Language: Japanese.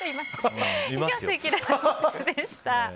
以上、せきららボイスでした。